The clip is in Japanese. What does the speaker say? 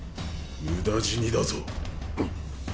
無駄死にだぞ。